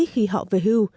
khi họ về hưu